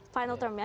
final term ya